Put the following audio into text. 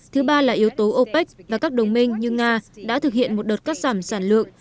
thứ ba là yếu tố opec và các đồng minh như nga đã thực hiện một đợt cắt giảm sản lượng